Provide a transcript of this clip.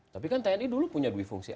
tapi kan tni dulu punya dwi fungsi abri